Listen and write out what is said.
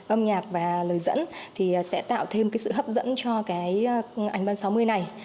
âm nhạc và lời dẫn thì sẽ tạo thêm cái sự hấp dẫn cho cái ảnh ban sáu mươi này